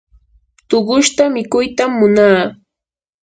tuqushta mikuytam munaa.